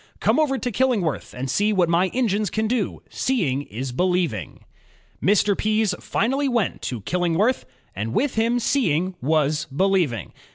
Come over to Killingworth and see what my engines can do; seeing is believing." Mr. Pease finally went to Killingworth and with him seeing was believing.